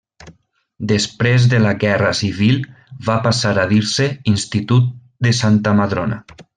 Després de la guerra civil va passar a dir-se Institut de Santa Madrona.